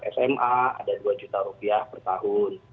kalau dia punya anak sma ada rp dua per tahun